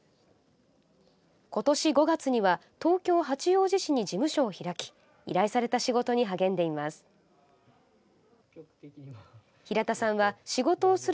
今年５月には東京・八王子市に事務所を開き依頼された仕事に励んでいます。